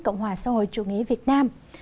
cộng hòa xã hội chủ nghĩa việt nam